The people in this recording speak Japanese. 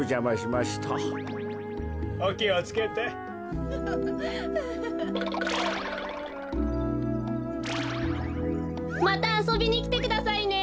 またあそびにきてくださいね。